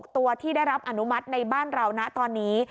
ตัวที่ได้รับอนุมัติในบ้านเรานะตอนนี้